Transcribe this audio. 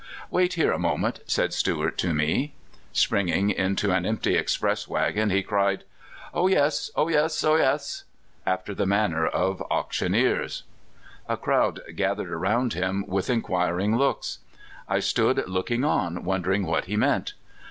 "Wait here a moment," said Stewart to me. Springing into an empty express wagon, he cried "O yes," "O yes," "O yes," after the manner of sheriffs. The crowd gathered around him with incjuiring looks. I stood looking on, wondering what he meant.